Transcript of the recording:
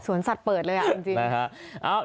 สวนสัตว์เปิดเลยอ่ะจริง